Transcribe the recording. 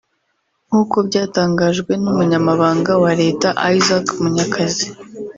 nk’uko byatangajwe n’umunyamabanga wa Leta Isaac Munyakazi